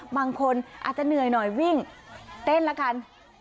บางคนอาจจะเหนื่อยหน่อยวิ่งเต้นละกัน